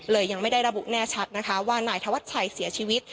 ยังไม่ได้ระบุแน่ชัดนะคะว่านายธวัชชัยเสียชีวิต